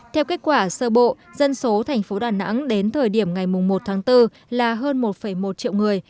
theo kết quả sơ bộ dân số thành phố đà nẵng đến thời điểm ngày một tháng bốn là hơn một một triệu người